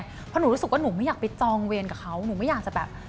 เพราะหนูรู้สึกว่าหนูไม่อยากไปจองเวรกับเขาหนูไม่อยากจะแบบ